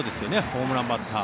ホームランバッター。